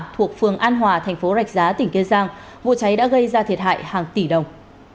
thuộc phường an hòa thành phố rạch giá tỉnh kiên giang vụ cháy đã gây ra thiệt hại hàng tỷ đồng